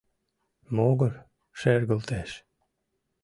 Могыр шергылтеш.